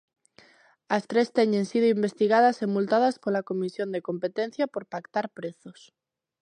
As tres teñen sido investigadas e multadas pola Comisión de Competencia por pactar prezos.